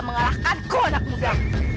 mengalahkan ku anak muda